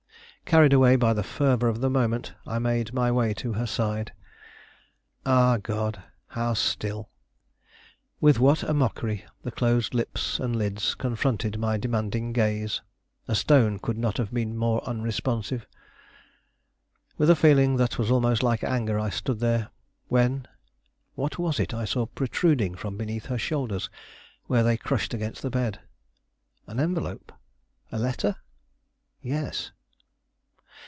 Carried away by the fervor of the moment, I made my way to her side. Ah, God, how still! With what a mockery the closed lips and lids confronted my demanding gaze! A stone could not have been more unresponsive. With a feeling that was almost like anger, I stood there, when what was it I saw protruding from beneath her shoulders where they crushed against the bed? An envelope? a letter? Yes.